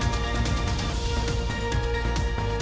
โปรดติดตามตอนต่อไป